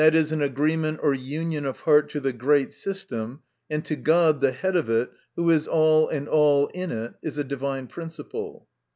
e. an agree ment or union of heart to the great system, and to God, the head of it, who is all in all in it) is a divine principle.